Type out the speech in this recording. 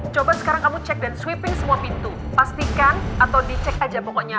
coba sekarang kamu cek dan sweeping semua pintu pastikan atau dicek aja pokoknya